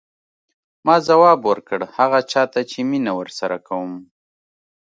ما ځواب ورکړ هغه چا ته چې مینه ورسره کوم.